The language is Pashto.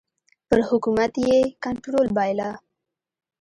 پر حکومت یې کنټرول بایله.